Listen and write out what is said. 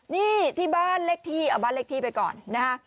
นี่ที่บ้านเลขที่เอาบ้านเลขที่ไปก่อนนะฮะ